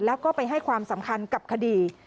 แล้วก็ไปให้ความสำคัญกับคดี